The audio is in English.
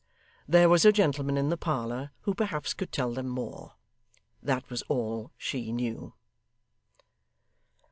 There was a gentleman in the parlour, who perhaps could tell them more. That was all SHE knew.